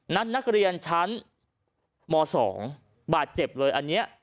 นักเรียนชั้นม๒บาดเจ็บเลยอันนี้